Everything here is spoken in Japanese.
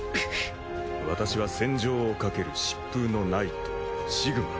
私は戦場を駆ける疾風のナイト・シグマ。